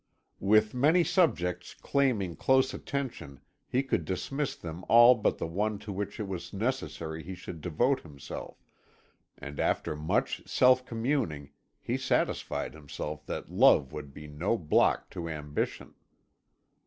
With many subjects claiming close attention he could dismiss them all but the one to which it was necessary he should devote himself, and after much self communing he satisfied himself that love would be no block to ambition.